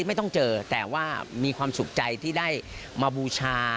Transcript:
ไม่ต้องเจอแต่ว่ามีความสุขใจที่ได้มาบูชา